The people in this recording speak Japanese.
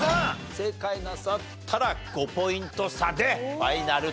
正解なさったら５ポイント差でファイナルと。